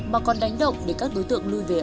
mà còn đánh động để các đối tượng lưu về ở ẩn